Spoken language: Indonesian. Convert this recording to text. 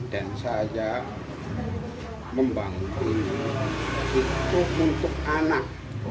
dan saya membangun ini untuk anak